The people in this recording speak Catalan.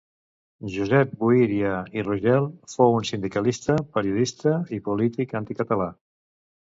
Josep Buiria i Rogel fou un sindicalista, periodista i polític anticatalà.